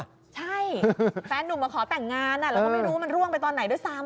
ใช่แฟนนุ่มมาขอแต่งงานแล้วก็ไม่รู้ว่ามันร่วงไปตอนไหนด้วยซ้ำ